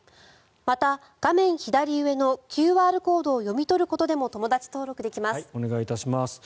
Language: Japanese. また、画面左上のＱＲコードを読み取ることでもお願いいたします。